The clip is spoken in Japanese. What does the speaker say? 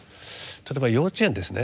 例えば幼稚園ですね